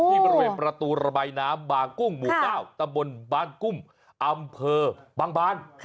ที่บริเวณประตูระบายน้ำบางกุ้งหมู่๙ตำบลบางกุ้งอำเภอบางบาน